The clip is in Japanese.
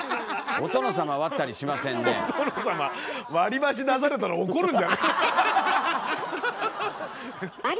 お殿様割り箸出されたら怒るんじゃない？